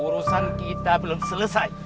urusan kita belum selesai